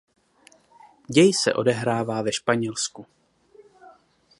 Děj se odehrává ve Španělsku.